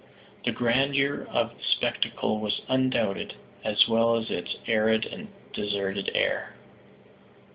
The grandeur of the spectacle was undoubted, as well as its arid and deserted air.